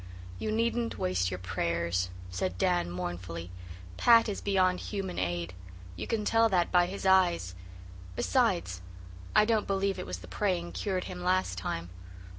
"You needn't waste your prayers," said Dan mournfully, "Pat is beyond human aid. You can tell that by his eyes. Besides, I don't believe it was the praying cured him last time."